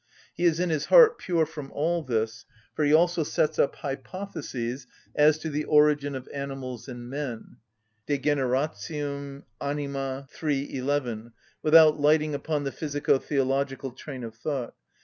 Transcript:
He is in his heart pure from all this, for he also sets up hypotheses as to the origin of animals and men (De generat. anim., iii. 11) without lighting upon the physico‐ theological train of thought.